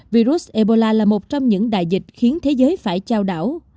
virus ebola là một trong những đại dịch khiến thế giới phải trao đảo